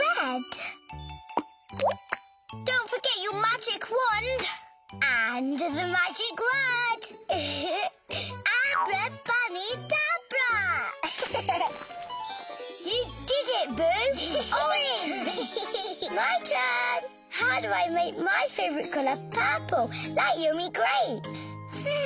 うん。